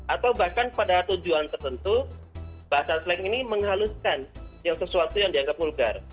atau bahkan pada tujuan tertentu bahasa slang ini menghaluskan sesuatu yang dianggap vulgar